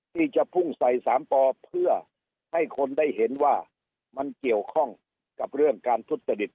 ที่จะพุ่งใส่๓ปอเพื่อให้คนได้เห็นว่ามันเกี่ยวข้องกับเรื่องการทุจริต